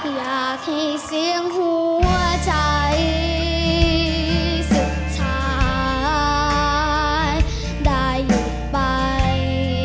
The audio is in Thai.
อยากให้เสียงหัวใจสุดท้ายได้หยุดไป